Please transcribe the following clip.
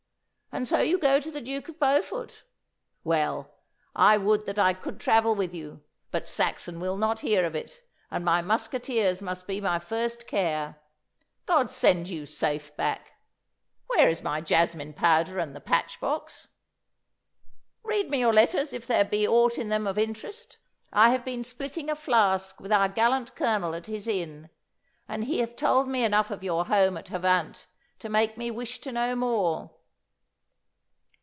And so you go to the Duke of Beaufort! Well, I would that I could travel with you, but Saxon will not hear of it, and my musqueteers must be my first care. God send you safe back! Where is my jasmine powder and the patch box? Read me your letters if there be aught in them of interest. I have been splitting a flask with our gallant Colonel at his inn, and he hath told me enough of your home at Havant to make me wish to know more.